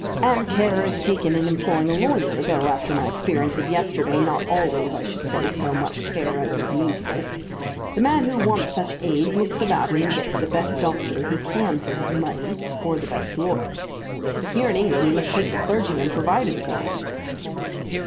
"And care is taken in employing a lawyer, though, after my experience of yesterday, not always, I should say, so much care as is needful. The man who wants such aid looks about him and gets the best doctor he can for his money, or the best lawyer. But here in England he must take the clergyman provided for him."